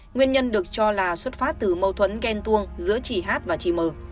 nguyên nhân được cho là xuất phát từ mâu thuẫn ghen tuông giữa chị hát và chị m